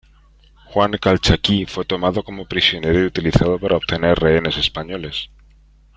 Juan Calchaquí fue tomado como prisionero, y utilizado para obtener rehenes españoles.